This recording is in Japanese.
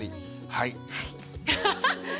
はい。